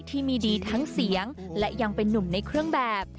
ที่มีดีทั้งเสียงและยังเป็นนุ่มในเครื่องแบบ